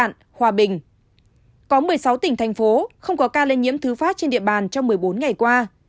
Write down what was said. có một mươi sáu tỉnh thành phố không có ca lây nhiễm thứ phát trên địa bàn trong một mươi bốn ngày qua